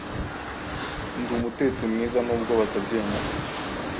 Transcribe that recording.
Nd’umutetsi mwiza nubwo batabyemera